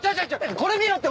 これ見ろって！